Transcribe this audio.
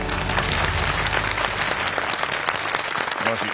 すばらしい。